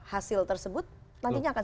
hasil tersebut nantinya akan